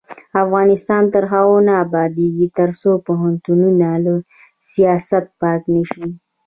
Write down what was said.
افغانستان تر هغو نه ابادیږي، ترڅو پوهنتونونه له سیاست پاک نشي.